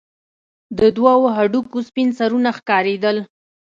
د دوو هډوکو سپين سرونه ښكارېدل.